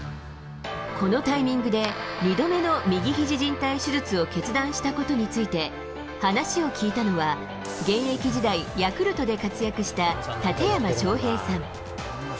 このタイミングで、２度目の右ひじじん帯手術を決断したことについて、話を聞いたのは、現役時代、ヤクルトで活躍した、館山昌平さん。